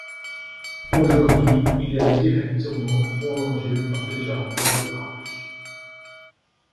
Aujourd'hui, il est directement prolongé par les jardins de l'Arche.